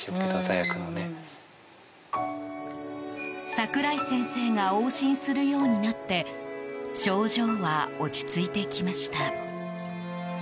櫻井先生が往診するようになって症状は落ち着いてきました。